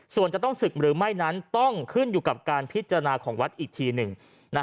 ส่วนจะต้องศึกหรือไม่นั้นต้องขึ้นอยู่กับการพิจารณาของวัดอีกทีหนึ่ง